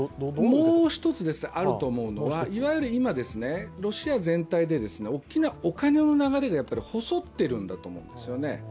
もう一つあると思うのは、今、ロシア全体で大きなお金の流れが細っているんだと思うんですよね。